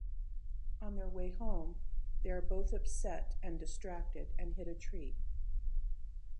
On their way home, they are both upset and distracted and hit a tree.